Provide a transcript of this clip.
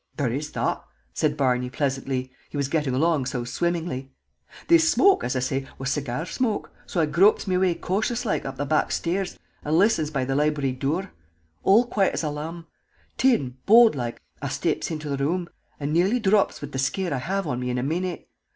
"There is thot," said Barney, pleasantly, he was getting along so swimmingly. "This shmoke, as I say, was segyar shmoke, so I gropes me way cautious loike up the back sthairs and listens by the library dure. All quiet as a lamb. Thin, bold loike, I shteps into the room, and nearly drops wid the shcare I have on me in a minute.